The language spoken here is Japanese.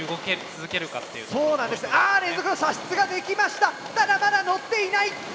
ただまだのっていない！